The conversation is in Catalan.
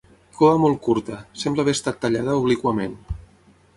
Cua molt curta, sembla haver estat tallada obliquament.